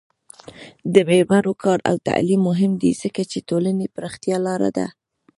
د میرمنو کار او تعلیم مهم دی ځکه چې ټولنې پراختیا لاره ده.